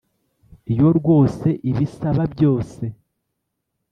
Iyo rwose ibisaba byose